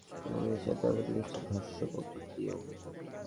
অঙ্কের মজা কিংবা কুইজ নিয়ে যেমন গল্প লিখেছেন, তেমনি লিখেছেন হাস্যকৌতুক নিয়েও।